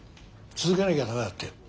続けなきゃ駄目だって。